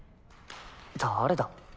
誰だ？